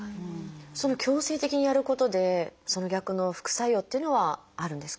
強制的にやることでその逆の副作用っていうのはあるんですか？